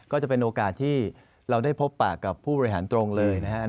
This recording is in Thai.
ก็จะเป็นโอกาสที่เราได้พบปากกับผู้บริหารตรงเลยนะครับ